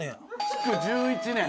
築１１年。